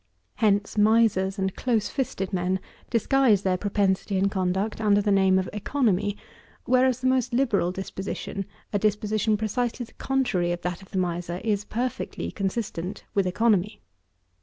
Hence misers and close fisted men disguise their propensity and conduct under the name of economy; whereas the most liberal disposition, a disposition precisely the contrary of that of the miser, is perfectly consistent with economy.